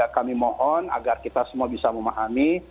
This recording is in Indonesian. kami mohon agar kita semua bisa memahami